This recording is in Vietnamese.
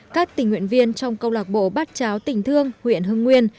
các tỉnh huyện viên trong câu lạc bộ bát cháo tỉnh thương huyện hưng nguyên